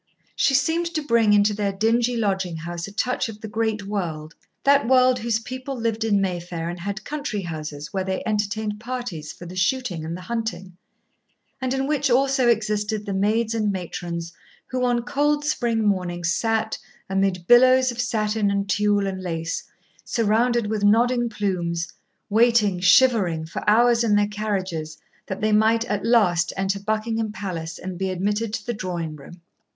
She seemed to bring into their dingy lodging house a touch of the great world, that world whose people lived in Mayfair and had country houses where they entertained parties for the shooting and the hunting, and in which also existed the maids and matrons who on cold spring mornings sat, amid billows of satin and tulle and lace, surrounded with nodding plumes, waiting, shivering, for hours in their carriages that they might at last enter Buckingham Palace and be admitted to the Drawing room.